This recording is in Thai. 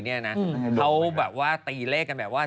เขาแบบว่าตีเลขกันแบบว่า